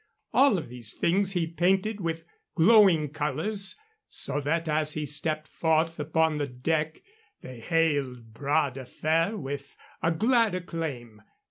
All of these things he painted with glowing colors, so that as he stepped forth on deck they hailed Bras de Fer with a glad acclaim.